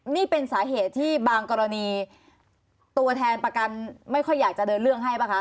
นี่เป็นสาเหตุที่บางกรณีตัวแทนประกันไม่ค่อยอยากจะเดินเรื่องให้ป่ะคะ